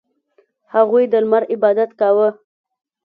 • هغوی د لمر عبادت کاوه.